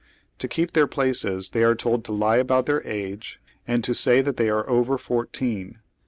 To keep their places they are told to lie about their age and to say that they are over fonrteen.